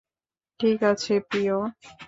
ঠিক আছে, প্রিয়।